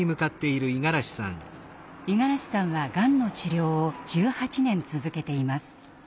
五十嵐さんはがんの治療を１８年続けています。